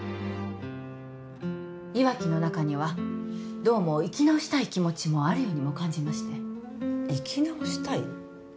岩城の中にはどうも生き直したい気持ちもあるようにも感じまして生き直したい？